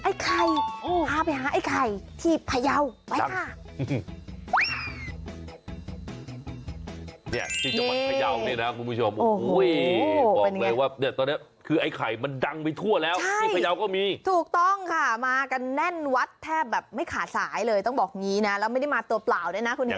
ไอ้ไข่พาไปหาไอ้ไข่อายุที่พยาว